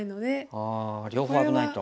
あ両方危ないと。